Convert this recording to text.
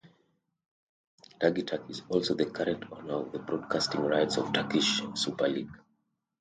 Digiturk is also the current owner of the broadcasting rights of Turkish Super League.